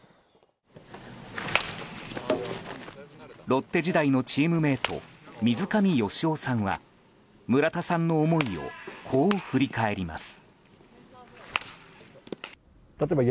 ロッテ時代のチームメート水上善雄さんは村田さんの思いをこう振り返ります。